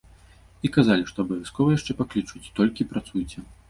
І казалі, што абавязкова яшчэ паклічуць, толькі працуйце.